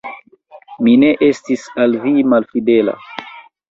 Mi ne estis al vi malfidela.